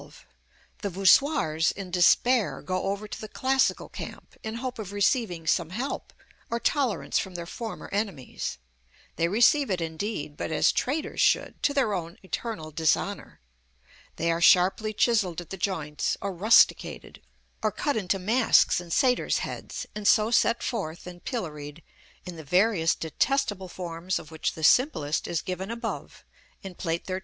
The voussoirs, in despair, go over to the classical camp, in hope of receiving some help or tolerance from their former enemies. They receive it indeed: but as traitors should, to their own eternal dishonor. They are sharply chiselled at the joints, or rusticated, or cut into masks and satyrs' heads, and so set forth and pilloried in the various detestable forms of which the simplest is given above in Plate XIII.